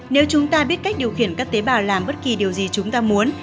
nếu chúng ta biết cách điều khiển các tế bào làm bất kỳ điều gì chúng ta muốn